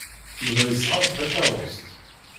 Yuba yesɣa-d takeṛṛust.